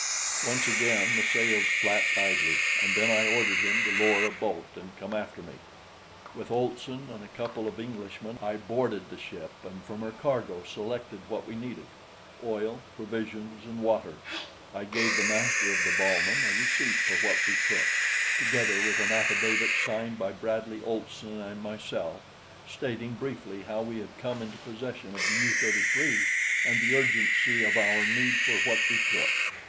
Once again the sails flapped idly, and then I ordered him to lower a boat and come after me. With Olson and a couple of the Englishmen I boarded the ship, and from her cargo selected what we needed oil, provisions and water. I gave the master of the Balmen a receipt for what we took, together with an affidavit signed by Bradley, Olson, and myself, stating briefly how we had come into possession of the U 33 and the urgency of our need for what we took.